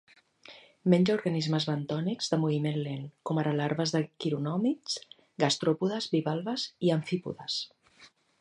Menja organismes bentònics de moviment lent, com ara larves de quironòmids, gastròpodes, bivalves i amfípodes.